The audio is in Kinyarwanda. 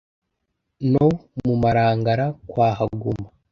no mu marangara kwa haguma